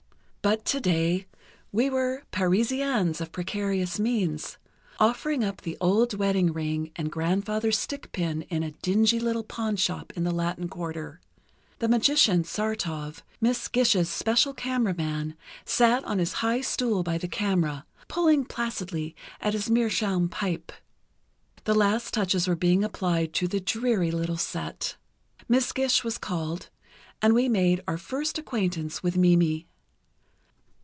But today we were Parisiens of precarious means, offering up the old wedding ring and Grandfather's stick pin in a dingy little pawnshop in the Latin Quarter.... The magician, Sartov, Miss Gish's special camera man, sat on his high stool by the camera, pulling placidly at his meerschaum pipe. The last touches were being applied to the dreary little set.... Miss Gish was called, and we made our first acquaintance with Mimi.